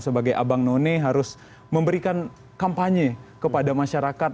sebagai abang none harus memberikan kampanye kepada masyarakat